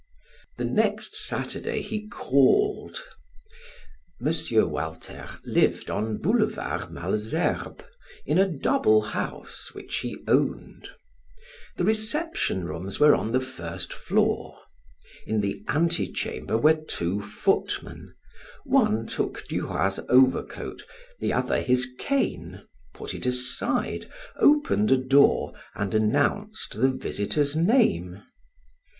The next Saturday he called. M. Walter lived on Boulevard Malesherbes in a double house which he owned. The reception rooms were on the first floor. In the antechamber were two footmen; one took Duroy's overcoat, the other his cane, put it aside, opened a door and announced the visitor's name.